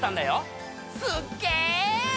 すっげぇ！